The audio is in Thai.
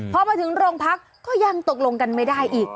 พอมาถึงโรงพักก็ยังตกลงกันไม่ได้อีก